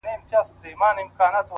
عاجزي دروازې پرانیزي!